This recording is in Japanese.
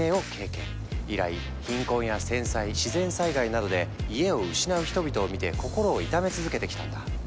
以来貧困や戦災自然災害などで家を失う人々を見て心を痛め続けてきたんだ。